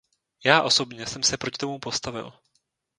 Já osobně jsem se proti tomu postavil.